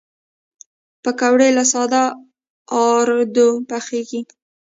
پکورې له ساده آردو پخېږي